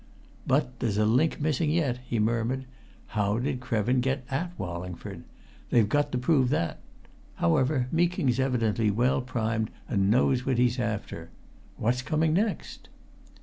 "But there's a link missing yet," he murmured. "How did Krevin get at Wallingford? They've got to prove that! However, Meeking's evidently well primed and knows what he's after. What's coming next?"